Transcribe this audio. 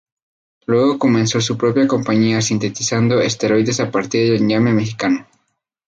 Luego comenzó su propia compañía sintetizando esteroides a partir del ñame mexicano.